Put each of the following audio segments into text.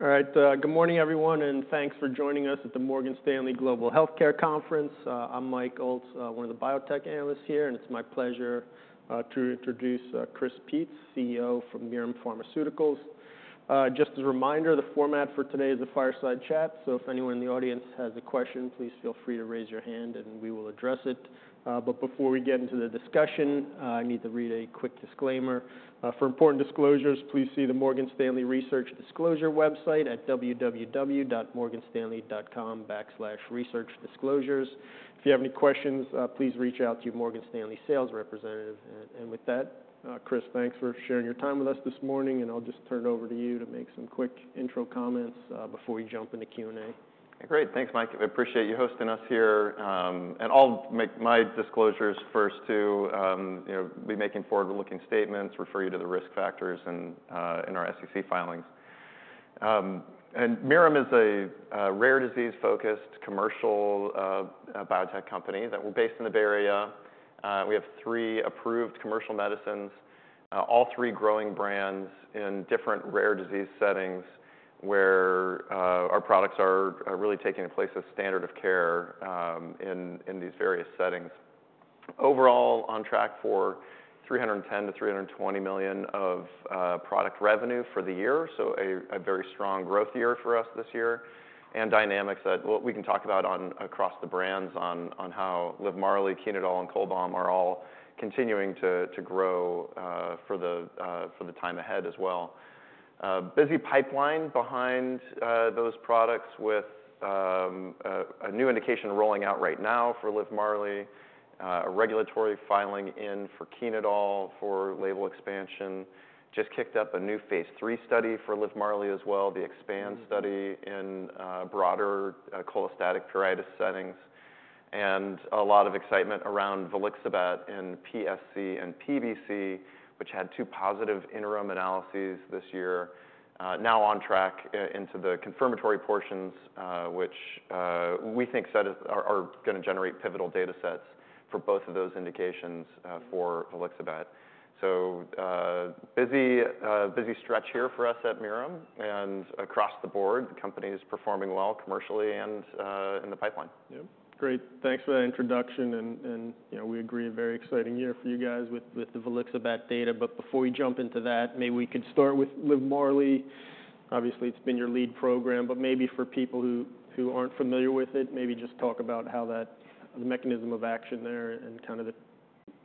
All right, good morning, everyone, and thanks for joining us at the Morgan Stanley Global Healthcare Conference. I'm Mike Ulz, one of the biotech analysts here, and it's my pleasure to introduce Chris Peetz, CEO from Mirum Pharmaceuticals. Just as a reminder, the format for today is a fireside chat, so if anyone in the audience has a question, please feel free to raise your hand and we will address it. But before we get into the discussion, I need to read a quick disclaimer. "For important disclosures, please see the Morgan Stanley Research Disclosure website at www.morganstanley.com/researchdisclosures. If you have any questions, please reach out to your Morgan Stanley sales representative." And with that, Chris, thanks for sharing your time with us this morning, and I'll just turn it over to you to make some quick intro comments, before we jump into Q&A. Great. Thanks, Mike. I appreciate you hosting us here, and I'll make my disclosures first too. You know, we'll be making forward-looking statements, refer you to the risk factors and in our SEC filings. And Mirum is a rare disease-focused commercial biotech company that we're based in the Bay Area. We have three approved commercial medicines, all three growing brands in different rare disease settings, where our products are really taking the place of standard of care in these various settings. Overall, on track for $310 million-$320 million of product revenue for the year, so a very strong growth year for us this year, and dynamics that, well, we can talk about on across the brands on how Livmarli, Chenodal, and Cholbam are all continuing to grow for the time ahead as well. Busy pipeline behind those products with a new indication rolling out right now for Livmarli, a regulatory filing in for Chenodal for label expansion. Just kicked up a new Phase III study for Livmarli as well, the EXPAND study in broader cholestatic pruritus settings, and a lot of excitement around volixibat in PSC and PBC, which had two positive interim analyses this year. Now on track into the confirmatory portions, which we think sets are gonna generate pivotal data sets for both of those indications for Volixibat. So, busy stretch here for us at Mirum, and across the board, the company is performing well commercially and in the pipeline. Yep. Great. Thanks for that introduction, and you know, we agree, a very exciting year for you guys with the Volixibat data. But before we jump into that, maybe we could start with Livmarli. Obviously, it's been your lead program, but maybe for people who aren't familiar with it, maybe just talk about how that, the mechanism of action there and kind of the...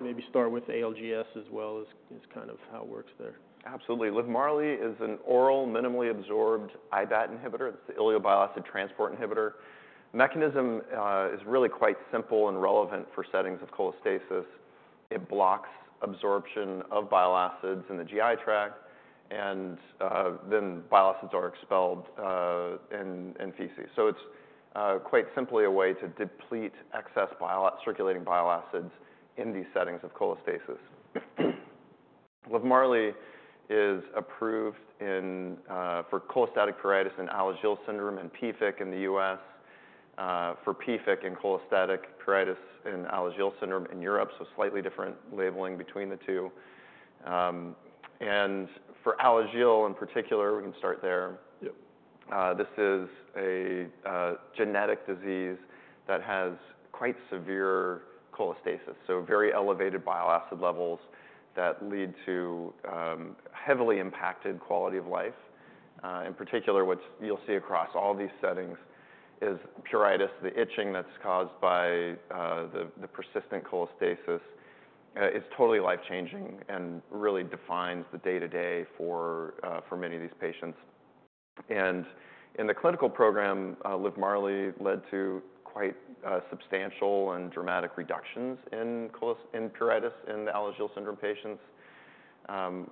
Maybe start with ALGS as well, as kind of how it works there. Absolutely. Livmarli is an oral, minimally absorbed IBAT inhibitor. It's an ileal bile acid transporter inhibitor. Mechanism is really quite simple and relevant for settings of cholestasis. It blocks absorption of bile acids in the GI tract, and then bile acids are expelled in feces. So it's quite simply a way to deplete excess bile circulating bile acids in these settings of cholestasis. Livmarli is approved in for cholestatic pruritus and Alagille syndrome and PFIC in the U.S., for PFIC and cholestatic pruritus and Alagille syndrome in Europe, so slightly different labeling between the two. And for Alagille, in particular, we can start there. Yep. This is a genetic disease that has quite severe cholestasis, so very elevated bile acid levels that lead to heavily impacted quality of life. In particular, what you'll see across all these settings is pruritus, the itching that's caused by the persistent cholestasis. It's totally life-changing and really defines the day-to-day for many of these patients. And in the clinical program, Livmarli led to quite substantial and dramatic reductions in pruritus in the Alagille syndrome patients,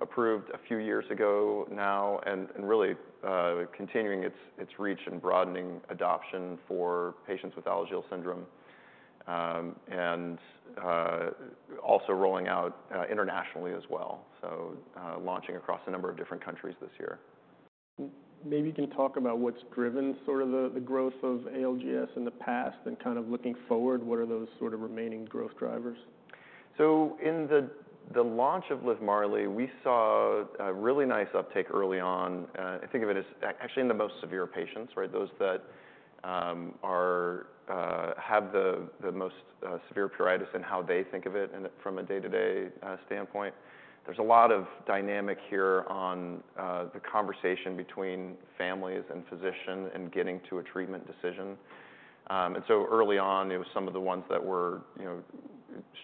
approved a few years ago now and really continuing its reach and broadening adoption for patients with Alagille syndrome, and also rolling out internationally as well, so launching across a number of different countries this year. Maybe you can talk about what's driven sort of the growth of ALGS in the past, and kind of looking forward, what are those sort of remaining growth drivers? So in the launch of Livmarli, we saw a really nice uptake early on. I think of it actually in the most severe patients, right? Those that have the most severe pruritus and how they think of it from a day-to-day standpoint. There's a lot of dynamic here on the conversation between families and physician in getting to a treatment decision. And so early on, it was some of the ones that were, you know,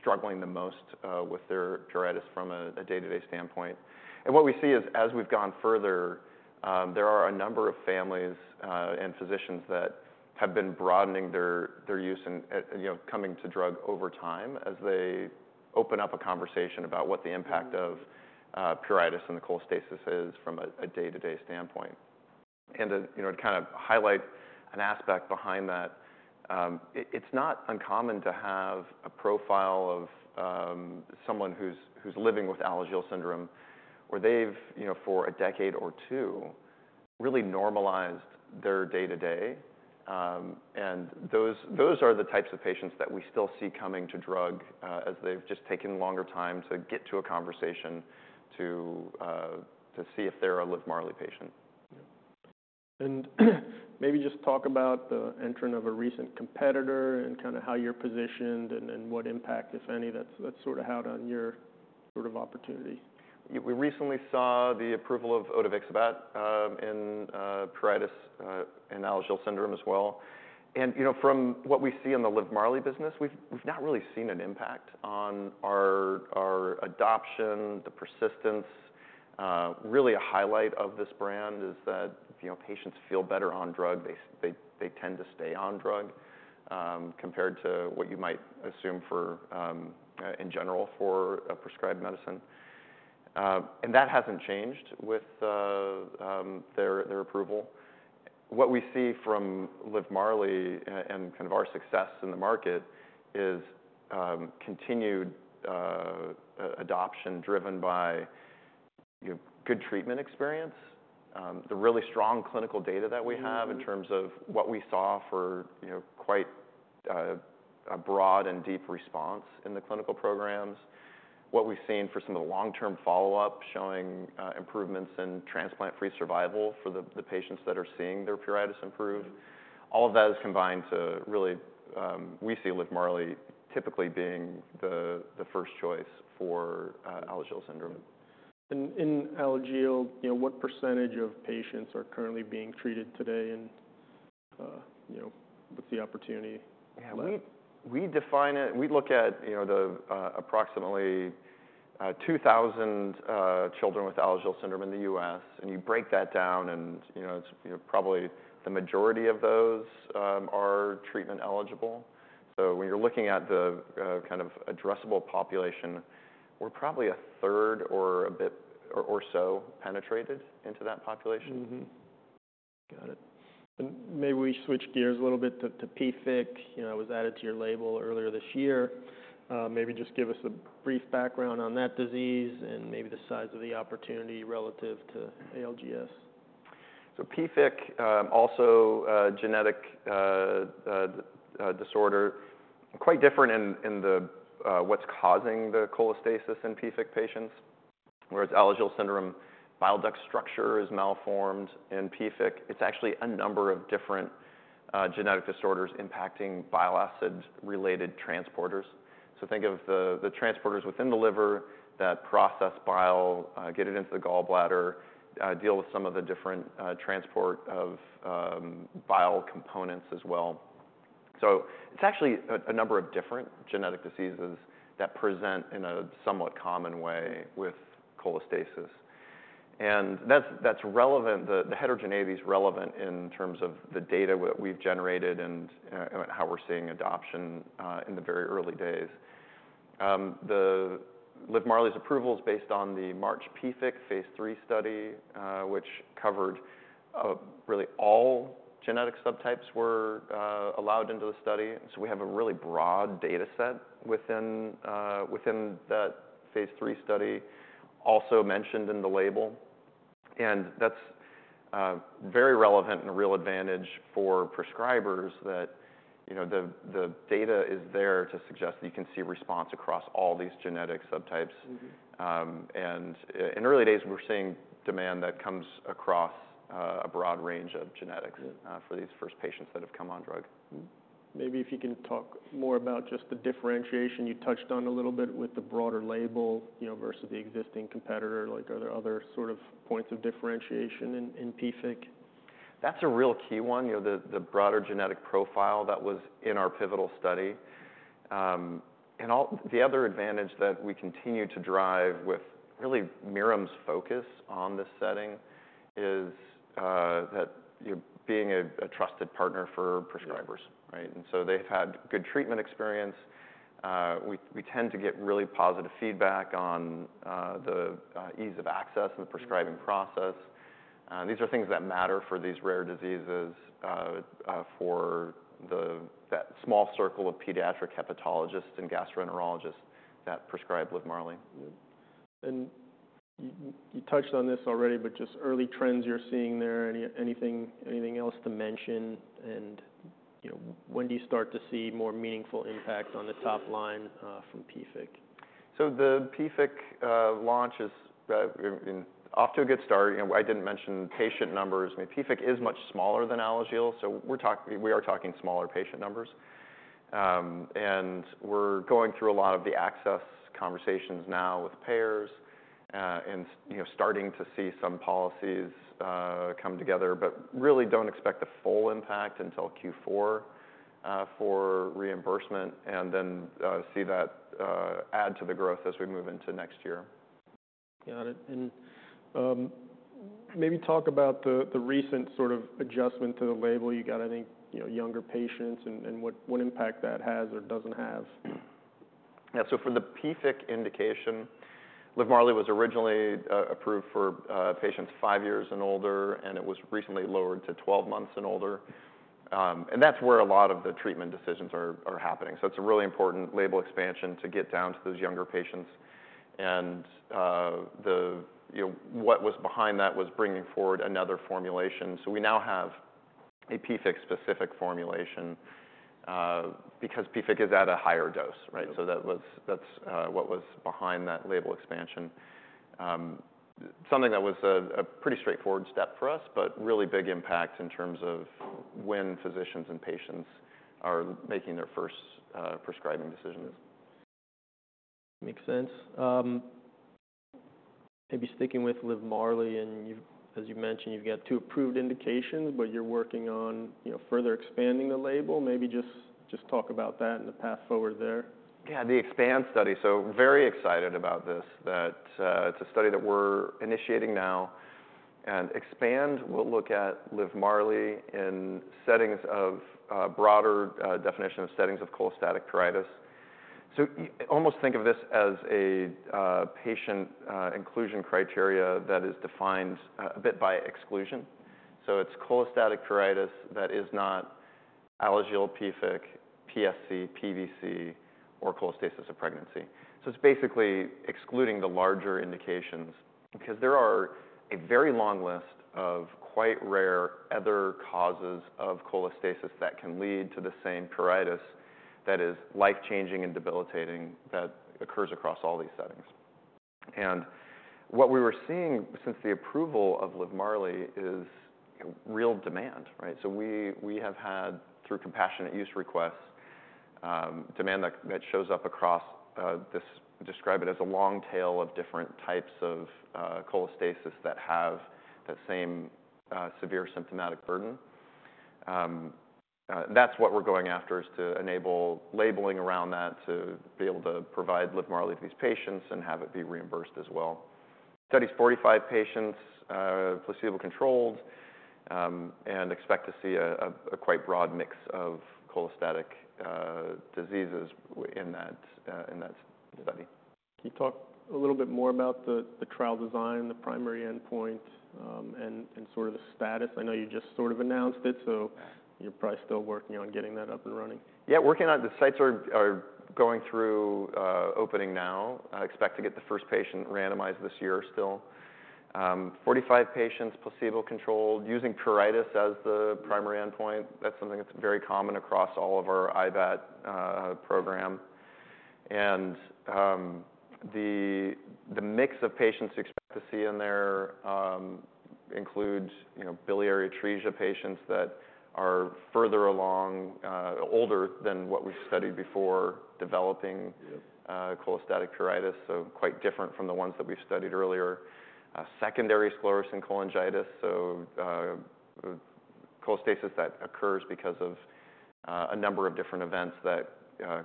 struggling the most with their pruritus from a day-to-day standpoint. And what we see is, as we've gone further, there are a number of families and physicians that have been broadening their use and, you know, coming to drug over time as they open up a conversation about what the impact of pruritus and the cholestasis is from a day-to-day standpoint. And to, you know, to kind of highlight an aspect behind that, it's not uncommon to have a profile of someone who's living with Alagille syndrome, where they've, you know, for a decade or two, really normalized their day-to-day. And those are the types of patients that we still see coming to drug, as they've just taken longer time to get to a conversation to see if they're a Livmarli patient. Yeah, and maybe just talk about the entry of a recent competitor and kinda how you're positioned, and then what impact, if any, that's sort of had on your sort of opportunity? Yeah, we recently saw the approval of Odevixibat in pruritus and Alagille syndrome as well, and you know, from what we see in the Livmarli business, we've not really seen an impact on our adoption, the persistence. Really a highlight of this brand is that, you know, patients feel better on drug. They tend to stay on drug compared to what you might assume for, in general, for a prescribed medicine, and that hasn't changed with their approval. What we see from Livmarli and kind of our success in the market is continued adoption, driven by, you know, good treatment experience, the really strong clinical data that we have in terms of what we saw for, you know, quite a broad and deep response in the clinical programs. What we've seen for some of the long-term follow-up, showing improvements in transplant-free survival for the patients that are seeing their pruritus improve all of that is combined to really, we see Livmarli typically being the, the first choice for Alagille syndrome. And in Alagille, you know, what percentage of patients are currently being treated today? And, you know, what's the opportunity? Yeah, we define it. We look at, you know, the approximately two thousand children with Alagille syndrome in the U.S., and you break that down and, you know, it's, you know, probably the majority of those are treatment eligible. So when you're looking at the kind of addressable population, we're probably a third or a bit or so penetrated into that population. Got it. Maybe we switch gears a little bit to PFIC. You know, it was added to your label earlier this year. Maybe just give us a brief background on that disease and maybe the size of the opportunity relative to ALGS. So PFIC, also a genetic disorder, quite different in what's causing the cholestasis in PFIC patients, whereas Alagille syndrome, bile duct structure is malformed. In PFIC, it's actually a number of different genetic disorders impacting bile acid-related transporters. So think of the transporters within the liver that process bile, get it into the gallbladder, deal with some of the different transport of bile components as well. So it's actually a number of different genetic diseases that present in a somewhat common way with cholestasis. And that's relevant, the heterogeneity is relevant in terms of the data we've generated and how we're seeing adoption in the very early days. The Livmarli's approval is based on the MARCH PFIC Phase III study, which covered really all genetic subtypes were allowed into the study, so we have a really broad data set within that Phase III study, also mentioned in the label, and that's very relevant and a real advantage for prescribers that you know the data is there to suggest that you can see a response across all these genetic subtypes. In early days, we're seeing demand that comes across a broad range of genetics for these first patients that have come on drug. Maybe if you can talk more about just the differentiation. You touched on a little bit with the broader label, you know, versus the existing competitor. Like, are there other sort of points of differentiation in PFIC? That's a real key one, you know, the broader genetic profile that was in our pivotal study. And the other advantage that we continue to drive with really Mirum's focus on this setting is that you're being a trusted partner for prescribers. Yeah. Right? And so they've had good treatment experience. We tend to get really positive feedback on the ease of access and the prescribing process. These are things that matter for these rare diseases, for that small circle of pediatric hepatologists and gastroenterologists that prescribe Livmarli. Yeah. And you touched on this already, but just early trends you're seeing there, anything else to mention? And, you know, when do you start to see more meaningful impact on the top line from PFIC? So the PFIC launch is off to a good start. You know, I didn't mention patient numbers. I mean, PFIC is much smaller than Alagille, so we are talking smaller patient numbers. And we're going through a lot of the access conversations now with payers, and, you know, starting to see some policies come together, but really don't expect a full impact until Q4 for reimbursement, and then see that add to the growth as we move into next year. Got it. And, maybe talk about the recent sort of adjustment to the label. You got any, you know, younger patients and what impact that has or doesn't have? Yeah. So for the PFIC indication, Livmarli was originally approved for patients five years and older, and it was recently lowered to 12 months and older, and that's where a lot of the treatment decisions are happening. So it's a really important label expansion to get down to those younger patients. And, the, you know, what was behind that was bringing forward another formulation. So we now have a PFIC-specific formulation, because PFIC is at a higher dose, right? So that's what was behind that label expansion. Something that was a pretty straightforward step for us, but really big impact in terms of when physicians and patients are making their first prescribing decisions. Makes sense. Maybe sticking with Livmarli, and you've—as you've mentioned, you've got two approved indications, but you're working on, you know, further expanding the label. Maybe just talk about that and the path forward there. Yeah, the EXPAND study. So very excited about this that it's a study that we're initiating now. And EXPAND will look at Livmarli in settings of broader definition of settings of cholestatic pruritus. So you almost think of this as a patient inclusion criteria that is defined a bit by exclusion. So it's cholestatic pruritus that is not Alagille, PFIC, PSC, PBC, or cholestasis of pregnancy. So it's basically excluding the larger indications, because there are a very long list of quite rare other causes of cholestasis that can lead to the same pruritus that is life-changing and debilitating that occurs across all these settings. And what we were seeing since the approval of Livmarli is real demand, right? So we have had, through compassionate use requests, demand that shows up across this... Describe it as a long tail of different types of cholestasis that have that same severe symptomatic burden. That's what we're going after, is to enable labeling around that, to be able to provide Livmarli to these patients and have it be reimbursed as well. Study's forty-five patients, placebo-controlled, and expect to see a quite broad mix of cholestatic diseases in that study. Can you talk a little bit more about the trial design, the primary endpoint, and sort of the status? I know you just sort of announced it, so you're probably still working on getting that up and running. Yeah, working on... The sites are going through opening now. I expect to get the first patient randomized this year, still. 45 patients, placebo-controlled, using pruritus as the primary endpoint. That's something that's very common across all of our iBAT program. And the mix of patients you expect to see in there includes, you know, biliary atresia patients that are further along, older than what we've studied before, developing cholestatic pruritus, so quite different from the ones that we've studied earlier. Secondary sclerosing cholangitis, so, cholestasis that occurs because of, a number of different events that,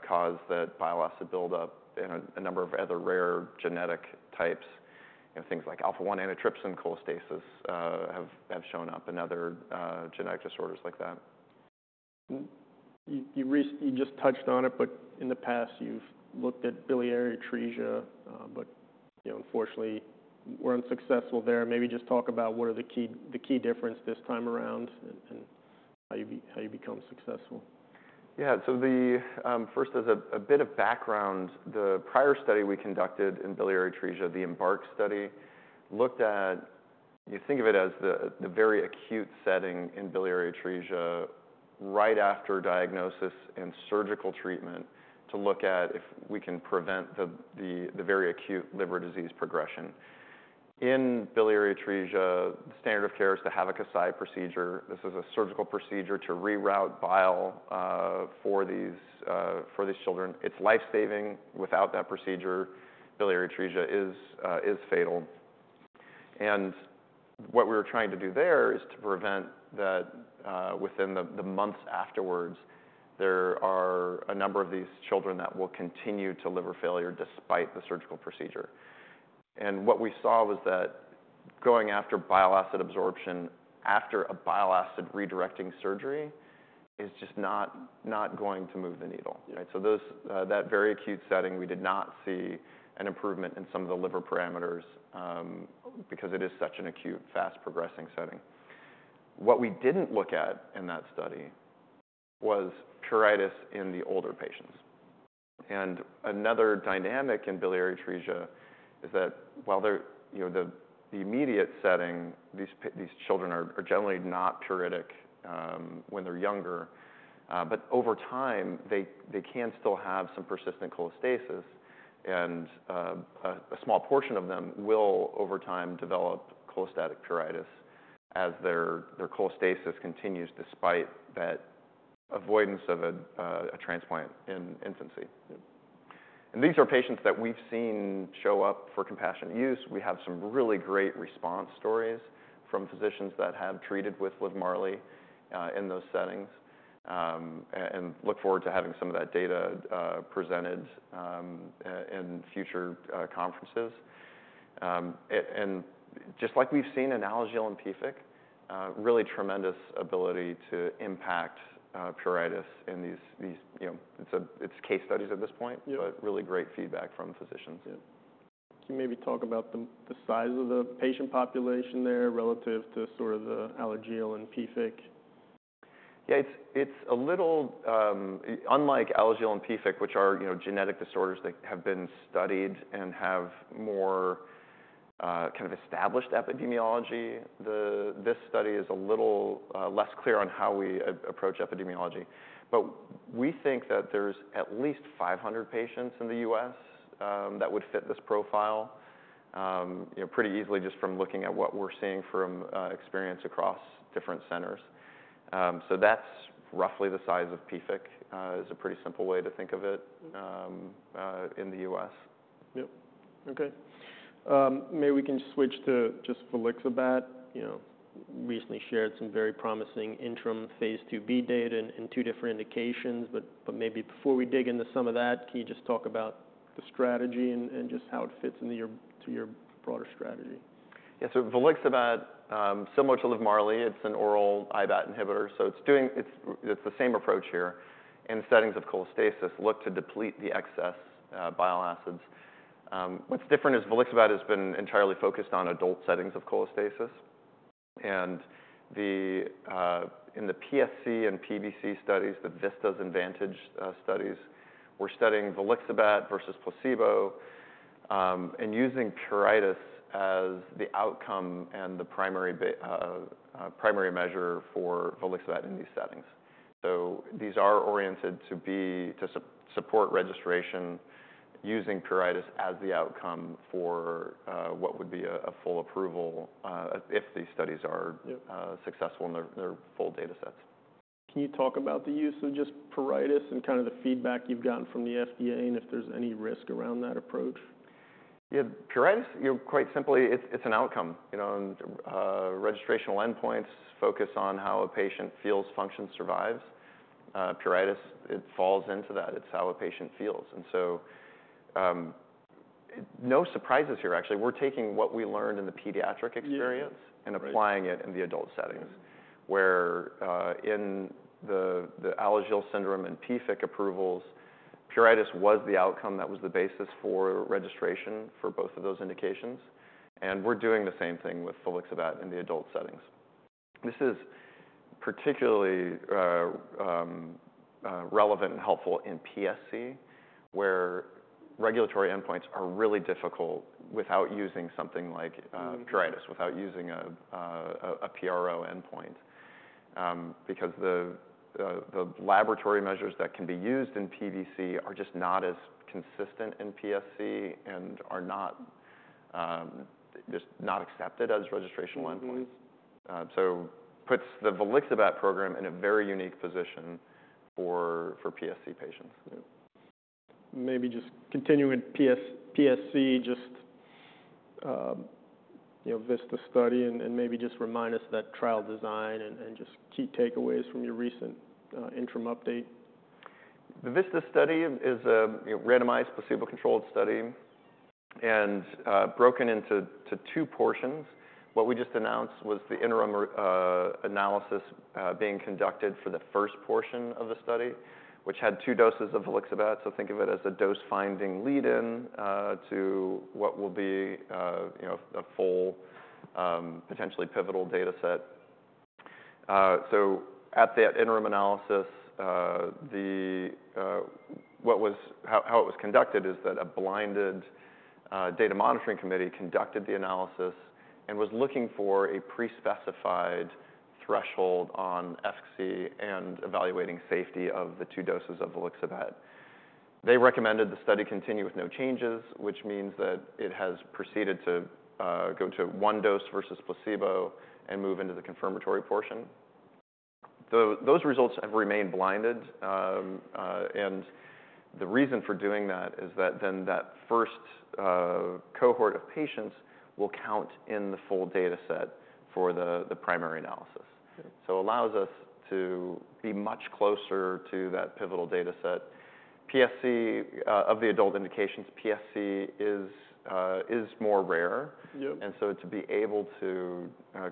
cause that bile acid build up and a number of other rare genetic types. You know, things like alpha-1 antitrypsin cholestasis, have shown up and other, genetic disorders like that. You just touched on it, but in the past, you've looked at biliary atresia, but you know, unfortunately, were unsuccessful there. Maybe just talk about what are the key difference this time around and how you become successful. Yeah, so the... first, as a bit of background, the prior study we conducted in biliary atresia, the EMBARK study, looked at... You think of it as the very acute setting in biliary atresia, right after diagnosis and surgical treatment, to look at if we can prevent the very acute liver disease progression. In biliary atresia, the standard of care is to have a Kasai procedure. This is a surgical procedure to reroute bile for these children. It's life-saving. Without that procedure, biliary atresia is fatal, and what we were trying to do there is to prevent that, within the months afterwards, there are a number of these children that will continue to liver failure despite the surgical procedure. What we saw was that going after bile acid absorption after a bile acid redirecting surgery is just not going to move the needle. Right? So those that very acute setting, we did not see an improvement in some of the liver parameters because it is such an acute, fast-progressing setting. What we didn't look at in that study was pruritus in the older patients. Another dynamic in biliary atresia is that while they're you know the immediate setting, these children are generally not pruritic when they're younger but over time, they can still have some persistent cholestasis. A small portion of them will over time develop cholestatic pruritus as their cholestasis continues despite that avoidance of a transplant in infancy. Yeah. These are patients that we've seen show up for compassionate use. We have some really great response stories from physicians that have treated with Livmarli in those settings, and look forward to having some of that data presented in future conferences. And just like we've seen in Alagille and PFIC, really tremendous ability to impact pruritus in these, these... You know, it's case studies at this point but really great feedback from physicians. Yeah. Can you maybe talk about the size of the patient population there relative to sort of the Alagille and PFIC? Yeah, it's a little unlike Alagille and PFIC, which are, you know, genetic disorders that have been studied and have more kind of established epidemiology. This study is a little less clear on how we approach epidemiology. But we think that there's at least 500 patients in the U.S. that would fit this profile, you know, pretty easily just from looking at what we're seeing from experience across different centers. So that's roughly the size of PFIC, is a pretty simple way to think of it in the U.S. Yep. Okay. Maybe we can switch to just Volixibat. You know, recently shared some very promising interim Phase IIb data in two different indications. But maybe before we dig into some of that, can you just talk about the strategy and just how it fits into to your broader strategy? Yeah. So volixibat, similar to Livmarli, it's an oral IBAT inhibitor, so it's the same approach here. In settings of cholestasis, look to deplete the excess bile acids. What's different is volixibat has been entirely focused on adult settings of cholestasis. And in the PSC and PBC studies, the VISTAS and VANTAGE studies, we're studying volixibat versus placebo, and using pruritus as the outcome and the primary measure for volixibat in these settings. So these are oriented to support registration using pruritus as the outcome for what would be a full approval, if these studies are successful in their full datasets. Can you talk about the use of just pruritus and kind of the feedback you've gotten from the FDA, and if there's any risk around that approach? Yeah, pruritus, you know, quite simply, it's an outcome, you know, and registrational endpoints focus on how a patient feels, functions, survives. Pruritus, it falls into that. It's how a patient feels, and so no surprises here, actually. We're taking what we learned in the pediatric experience and applying it in the adult settings where in the Alagille syndrome and PFIC approvals, pruritus was the outcome that was the basis for registration for both of those indications, and we're doing the same thing with volixibat in the adult settings. This is particularly relevant and helpful in PSC, where regulatory endpoints are really difficult without using something like pruritus, without using a PRO endpoint. Because the laboratory measures that can be used in PBC are just not as consistent in PSC and are not, just not accepted as registration endpoints. So puts the Volixibat program in a very unique position for PSC patients. Yeah. Maybe just continuing with PSC, just, you know, VISTAS study and maybe just remind us that trial design and just key takeaways from your recent interim update. The VISTAS study is a, you know, randomized, placebo-controlled study and broken into two portions. What we just announced was the interim analysis being conducted for the first portion of the study, which had two doses of volixibat. So think of it as a dose-finding lead-in to what will be, you know, a full, potentially pivotal data set. So at that interim analysis, how it was conducted is that a blinded data monitoring committee conducted the analysis and was looking for a pre-specified threshold on efficacy and evaluating safety of the two doses of volixibat. They recommended the study continue with no changes, which means that it has proceeded to go to one dose versus placebo and move into the confirmatory portion. So those results have remained blinded, and the reason for doing that is that then that first cohort of patients will count in the full data set for the primary analysis. Okay. So allows us to be much closer to that pivotal data set. PSC, of the adult indications, PSC is more rare. Yep. To be able to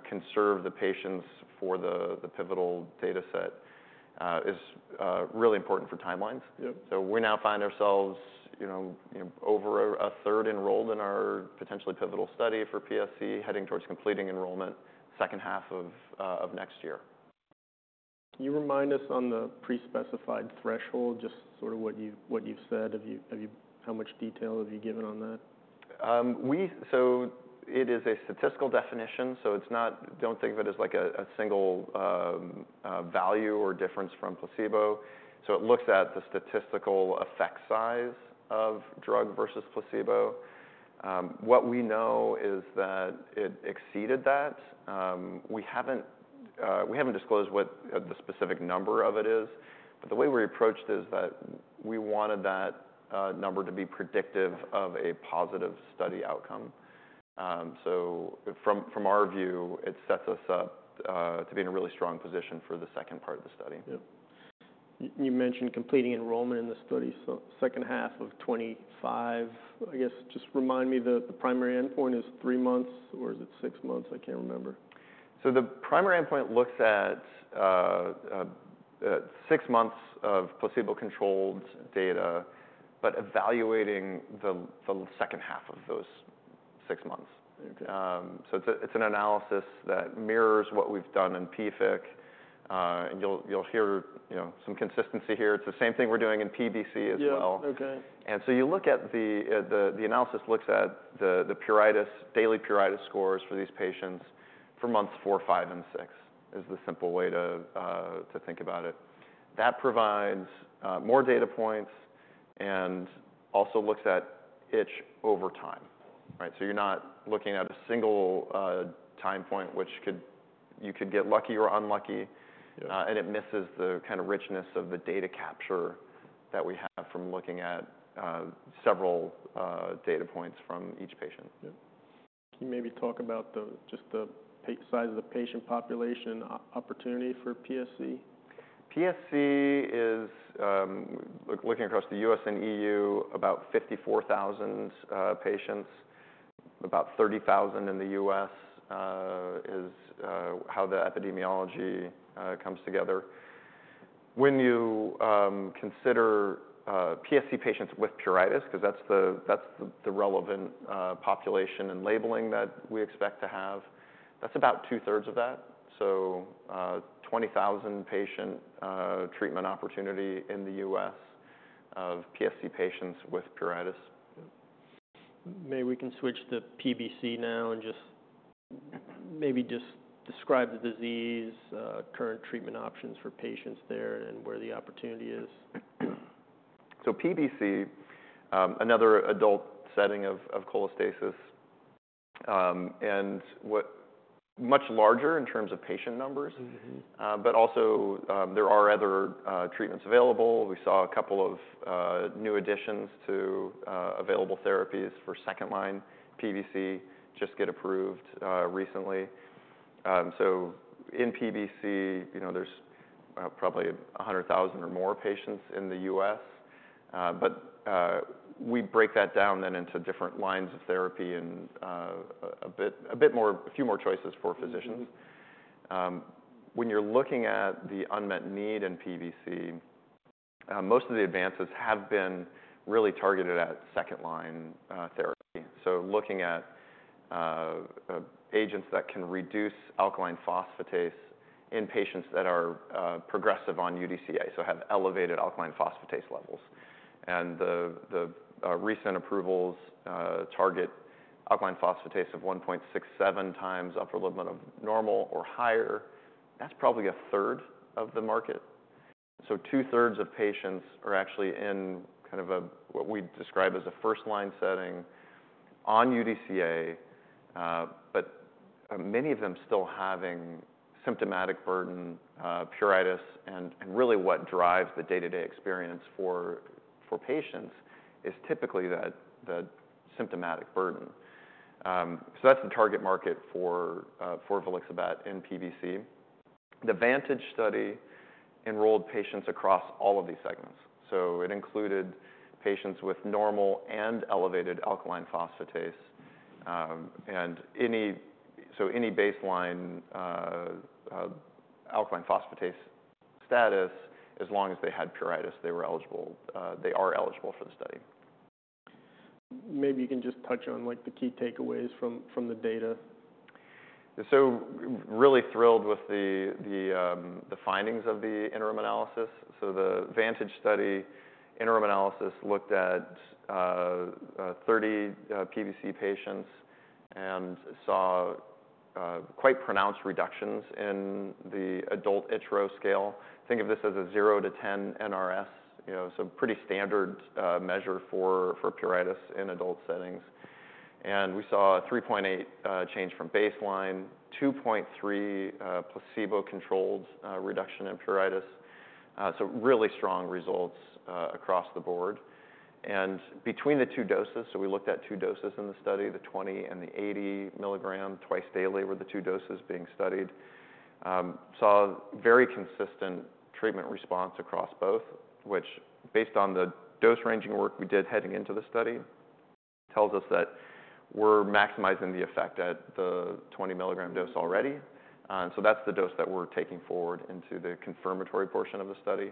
conserve the patients for the pivotal data set is really important for timelines. Yep. So we now find ourselves, you know, over a third enrolled in our potentially pivotal study for PSC, heading towards completing enrollment second half of next year. Can you remind us on the pre-specified threshold, just sort of what you've said? Have you? How much detail have you given on that? So it is a statistical definition, so it's not... Don't think of it as, like, a single value or difference from placebo. So it looks at the statistical effect size of drug versus placebo. What we know is that it exceeded that. We haven't disclosed what the specific number of it is, but the way we approached it is that we wanted that number to be predictive of a positive study outcome. So from our view, it sets us up to be in a really strong position for the second part of the study. Yep. You mentioned completing enrollment in the study, so second half of 2025. I guess, just remind me the primary endpoint is three months, or is it six months? I can't remember. So the primary endpoint looks at six months of placebo-controlled data, but evaluating the second half of those six months. Okay. So it's an analysis that mirrors what we've done in PFIC, and you'll hear, you know, some consistency here. It's the same thing we're doing in PBC as well. Yeah. Okay. And so you look at the analysis looks at the pruritus daily pruritus scores for these patients for months four, five, and six is the simple way to think about it. That provides more data points and also looks at itch over time, right? So you're not looking at a single time point, which could... You could get lucky or unlucky. Yeah. And it misses the kind of richness of the data capture that we have from looking at several data points from each patient. Yeah. Can you maybe talk about the, just the size of the patient population opportunity for PSC? PSC is looking across the U.S. and EU, about 54,000 patients, about 30,000 in the U.S., is how the epidemiology comes together. When you consider PSC patients with pruritus, 'cause that's the relevant population and labeling that we expect to have, that's about two-thirds of that. So, 20,000 patient treatment opportunity in the U.S. of PSC patients with pruritus. Yeah. Maybe we can switch to PBC now and just maybe just describe the disease, current treatment options for patients there, and where the opportunity is. PBC, another adult setting of cholestasis, and what... Much larger in terms of patient numbers. But also, there are other treatments available. We saw a couple of new additions to available therapies for second line PBC just get approved recently. So in PBC, you know, there's probably a hundred thousand or more patients in the U.S., but we break that down then into different lines of therapy and a bit more, a few more choices for physicians. Mm-hmm.When you're looking at the unmet need in PBC, most of the advances have been really targeted at second-line therapy, so looking at agents that can reduce alkaline phosphatase in patients that are progressive on UDCA, so have elevated alkaline phosphatase levels, and the recent approvals target alkaline phosphatase of one point six seven times upper limit of normal or higher. That's probably a third of the market. So 2/3 of patients are actually in kind of a what we'd describe as a first-line setting on UDCA, but many of them still having symptomatic burden, pruritus, and really what drives the day-to-day experience for patients is typically that, the symptomatic burden. So that's the target market for volixibat in PBC. The VANTAGE study enrolled patients across all of these segments, so it included patients with normal and elevated alkaline phosphatase and any baseline alkaline phosphatase status, as long as they had pruritus, they were eligible, they are eligible for the study. Maybe you can just touch on, like, the key takeaways from the data. So really thrilled with the findings of the interim analysis. The VANTAGE study interim analysis looked at 30 PBC patients and saw quite pronounced reductions in the Adult ItchRO scale. Think of this as a 0-10 NRS, you know, so pretty standard measure for pruritus in adult settings. We saw a 3.8 change from baseline, 2.3 placebo-controlled reduction in pruritus, so really strong results across the board. Between the two doses, so we looked at two doses in the study, the 20 mg and the 80 mg twice daily were the two doses being studied, saw a very consistent treatment response across both, which based on the dose-ranging work we did heading into the study, tells us that we're maximizing the effect at the 20 mg dose already. So that's the dose that we're taking forward into the confirmatory portion of the study.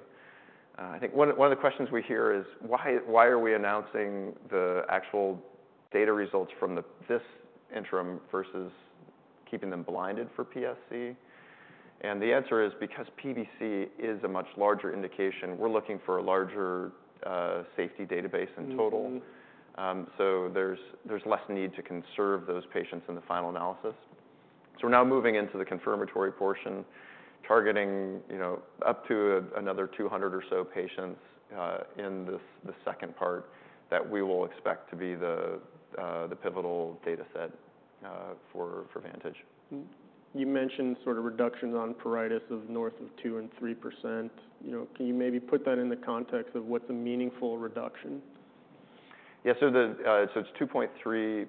I think one of the questions we hear is, why are we announcing the actual data results from this interim versus keeping them blinded for PSC? And the answer is, because PBC is a much larger indication, we're looking for a larger safety database in total. There's less need to conserve those patients in the final analysis. We're now moving into the confirmatory portion, targeting, you know, up to another two hundred or so patients in this, the second part, that we will expect to be the pivotal data set for VANTAGE. You mentioned sort of reductions on pruritus of north of 2% and 3%. You know, can you maybe put that in the context of what's a meaningful reduction? Yeah, so it's two point three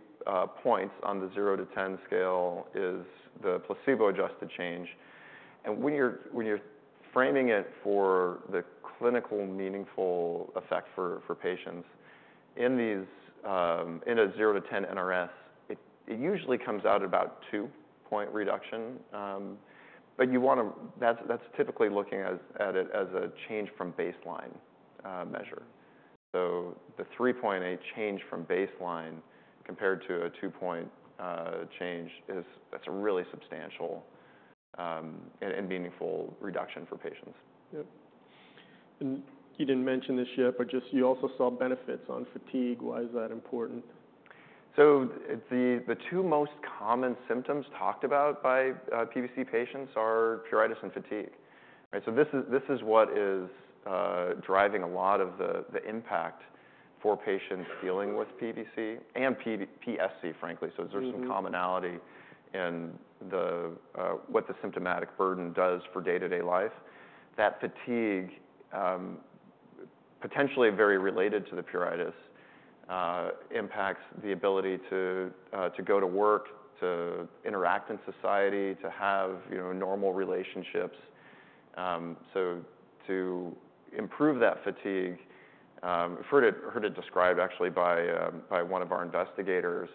points on the 0-10 scale is the placebo-adjusted change. And when you're framing it for the clinical meaningful effect for patients in a zero to ten NRS, it usually comes out at about two-point reduction, but that's typically looking at it as a change from baseline measure. So the 3.8 change from baseline compared to a two-point change is. That's a really substantial and meaningful reduction for patients. Yep. And you didn't mention this yet, but just you also saw benefits on fatigue. Why is that important? So the two most common symptoms talked about by PBC patients are pruritus and fatigue. Right, so this is what is driving a lot of the impact for patients dealing with PBC and PSC, frankly. So there's some commonality in the what the symptomatic burden does for day-to-day life. That fatigue, potentially very related to the pruritus, impacts the ability to go to work, to interact in society, to have, you know, normal relationships. So to improve that fatigue, I've heard it described actually by one of our investigators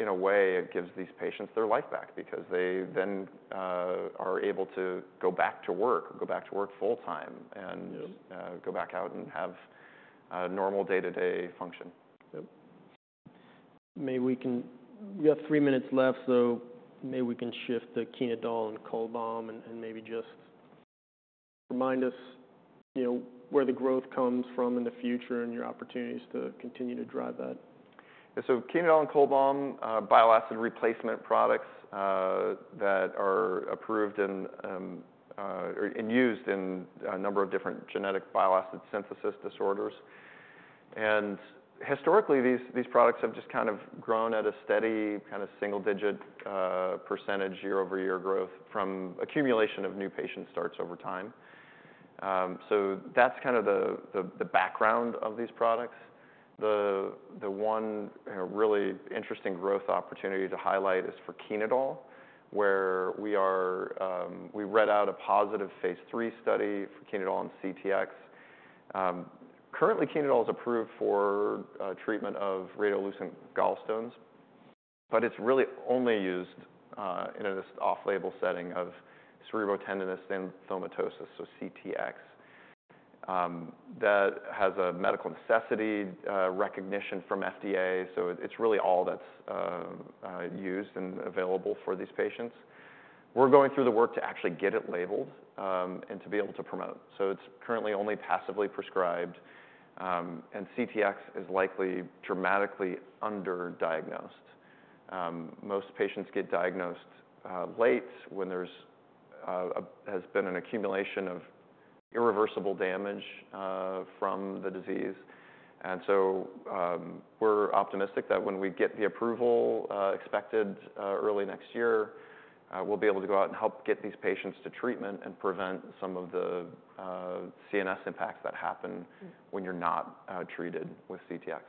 in a way, it gives these patients their life back because they then are able to go back to work, or go back to work full-time and-o back out and have a normal day-to-day function. Yep. Maybe we can... We have three minutes left, so maybe we can shift to Chenodal and Cholbam, and maybe just remind us, you know, where the growth comes from in the future and your opportunities to continue to drive that. Chenodal and Cholbam are bile acid replacement products that are approved and used in a number of different genetic bile acid synthesis disorders. Historically, these products have just kind of grown at a steady, kind of single-digit percentage year-over-year growth from accumulation of new patient starts over time. That's kind of the background of these products. The one really interesting growth opportunity to highlight is for Chenodal, where we are. We read out a positive Phase III study for Chenodal on CTX. Currently, Chenodal is approved for treatment of radiolucent gallstones, but it's really only used in this off-label setting of cerebrotendinous xanthomatosis, so CTX. That has a medical necessity recognition from FDA, so it's really all that's used and available for these patients. We're going through the work to actually get it labeled, and to be able to promote. So it's currently only passively prescribed, and CTX is likely dramatically underdiagnosed. Most patients get diagnosed late when there has been an accumulation of irreversible damage from the disease. And so, we're optimistic that when we get the approval, expected early next year, we'll be able to go out and help get these patients to treatment and prevent some of the CNS impacts that happen-when you're not treated with CTX.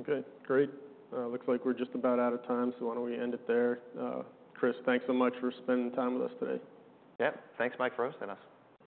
Okay, great. Looks like we're just about out of time, so why don't we end it there? Chris, thanks so much for spending time with us today. Yep. Thanks, Mike, for hosting us.